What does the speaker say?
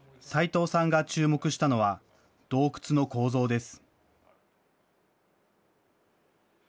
齋藤さんが注目したのは、洞窟の構造です。